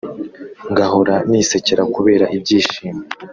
ngahora nisekera kubera ibyishimo